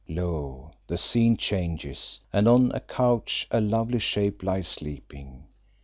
Lo! the scene changes, and on a couch a lovely shape lies sleeping.